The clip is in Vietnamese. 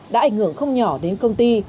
đã ảnh hưởng không nhỏ đến công ty